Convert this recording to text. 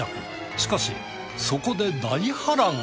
しかしそこで大波乱が。